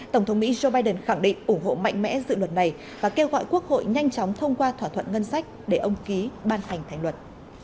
tổng thống mỹ joe biden khẳng định ủng hộ mạnh mẽ dự luật này và kêu gọi quốc hội nhanh chóng thông qua thỏa thuận ngân sách để ông ký ban hành thành luật